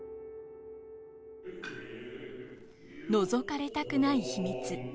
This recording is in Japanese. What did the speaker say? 覗かれたくない秘密。